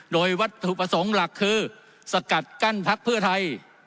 โดยวัตถุประสงค์หลักคือสกัดกั้นพักเพื่อไทย